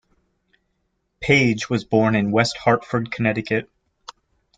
Paige was born in West Hartford, Connecticut.